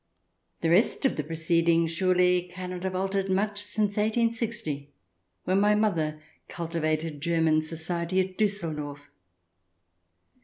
The rest of the proceedings surely cannot have altered much since i860, when my mother cultivated German society at Dusseldorf.